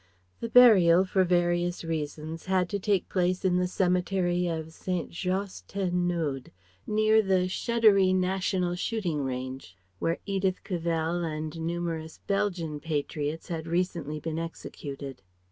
The burial for various reasons had to take place in the Cemetery of St. Josse ten Noode, near the shuddery National Shooting Range where Edith Cavell and numerous Belgian patriots had recently been executed.